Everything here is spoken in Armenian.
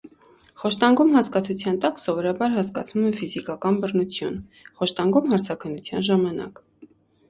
Խոշտանգում հասկացության տակ սովորաբար հասկացվում է «ֆիզիկական բռնություն, խոշտանգում հարցաքննության ժամանակ»։